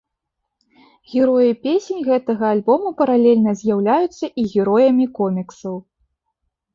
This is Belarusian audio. Героі песень гэтага альбома паралельна з'яўляюцца і героямі коміксаў.